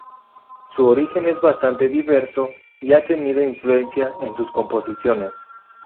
Su origen es bastante diverso y ha tenido influencia en sus composiciones.